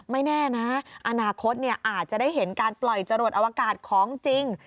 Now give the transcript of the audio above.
ไม่แน่นะอนาคตอาจจะได้เห็นการปล่อยจรวดอวกาศของจริง